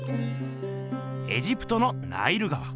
エジプトのナイル川。